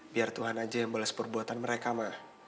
biar tuhan aja yang bales perbuatan mereka ma